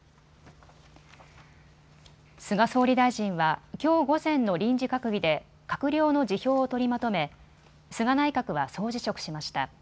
菅総理大臣は、きょう午前の臨時閣議で閣僚の辞表を取りまとめ菅内閣は総辞職しました。